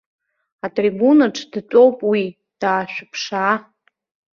Атрибунаҿ дтәоуп уи, даашәыԥшаа!